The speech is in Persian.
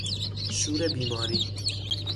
شور بیماری